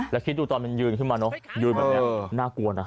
แล้วคิดดูตอนมันยืนขึ้นมาเนอะยืนแบบนี้น่ากลัวนะ